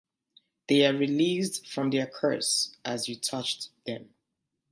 They are released from their curse as you touched them.